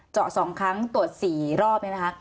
เจาะสองครั้งตรวจสี่รอบนี้นะคะ